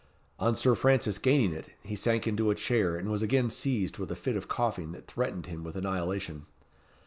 On Sir Francis gaining it, he sank into a chair, and was again seized with a fit of coughing that threatened him with annihilation.